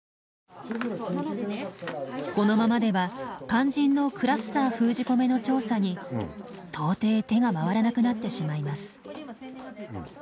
このままでは肝心のクラスター封じ込めの調査に到底手が回らなくなってしまいます。